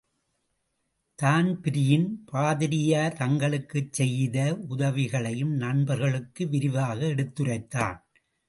தான்பீரின், பாதிரியார் தங்களுக்குச் செய்த உதவிகளையும், நண்பர்களுக்கு விரிவாக எடுத்துரைத்தான்.